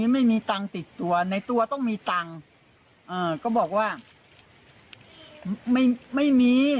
ไม่มีตังค์ติดตัวในตัวต้องมีตังค์ก็บอกว่าไม่มี